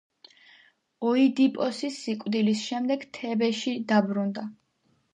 ოიდიპოსის სიკვდილის შემდეგ თებეში დაბრუნდა.